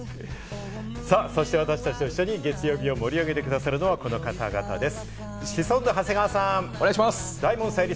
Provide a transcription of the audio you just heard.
そして私達と一緒に月曜日を盛り上げてくださる皆さんです。